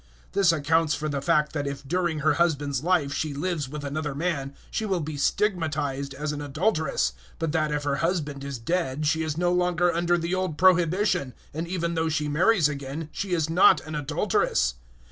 007:003 This accounts for the fact that if during her husband's life she lives with another man, she will be stigmatized as an adulteress; but that if her husband is dead she is no longer under the old prohibition, and even though she marries again, she is not an adulteress.